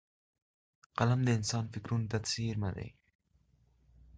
قلم د انسان فکرونو ته څېرمه دی